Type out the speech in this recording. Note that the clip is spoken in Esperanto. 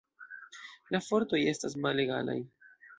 La fortoj estas malegalaj.